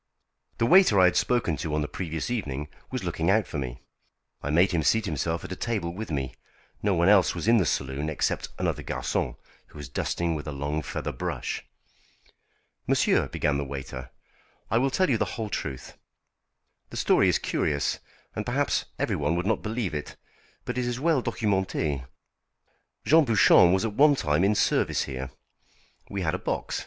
The waiter I had spoken to on the previous evening was looking out for me. I made him seat himself at a table with me. No one else was in the saloon except another garçon, who was dusting with a long feather brush. "Monsieur," began the waiter, "I will tell you the whole truth. The story is curious, and perhaps everyone would not believe it, but it is well documentée. Jean Bouchon was at one time in service here. We had a box.